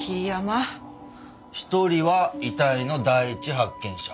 一人は遺体の第一発見者。